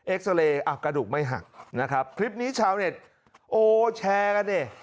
เอ็กซ์เรย์อ่ะกระดูกไม่หักนะครับคลิปนี้ชาวเน็ตโอ้แชร์กันเนี่ย